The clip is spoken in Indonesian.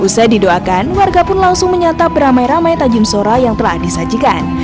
usai didoakan warga pun langsung menyatap ramai ramai tajim sora yang telah disajikan